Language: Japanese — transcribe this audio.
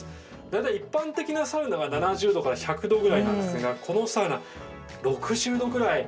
大体、一般的なサウナが７０度から１００度くらいなんですがこのサウナ、６０度ぐらい。